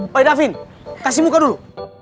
woy davin kasih muka dulu